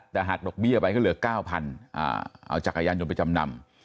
แต่หักดอกเบี้ยไปก็เหลือ๙๐๐เอาจักรยานยนต์ไปจำนำ